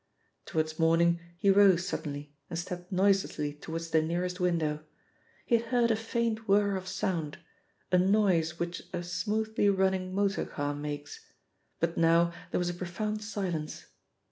Towards morning he rose suddenly and stepped noiselessly towards the nearest window; he had heard a faint whirr of sound, a noise which a smoothly running motorcar makes, but now there was a profound silence.